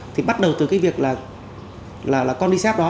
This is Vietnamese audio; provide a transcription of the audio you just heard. thì bắt đầu từ cái việc là codisepine đó